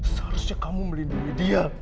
seharusnya kamu melindungi dia